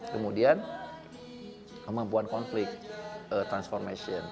kemudian kemampuan konflik transformation